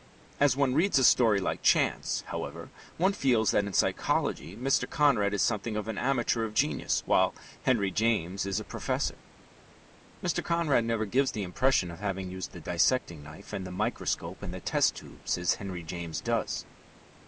As one reads a story like Chance, however, one feels that in psychology Mr. Conrad is something of an amateur of genius, while Henry James is a professor. Mr. Conrad never gives the impression of having used the dissecting knife and the microscope and the test tubes as Henry James does.